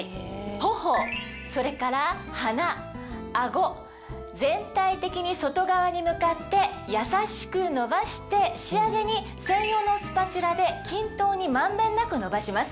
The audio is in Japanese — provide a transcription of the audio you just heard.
頬それから鼻顎全体的に外側に向かって優しく伸ばして仕上げに専用のスパチュラで均等に満遍なく伸ばします。